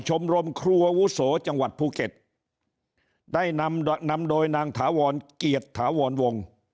ชมรมครัวอาวุโสจังหวัดภูเก็ตได้นำนำโดยนางถาวรเกียรติถาวรวง